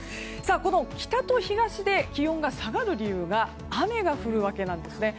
この北と東で気温が下がる理由が雨が降るわけなんですね。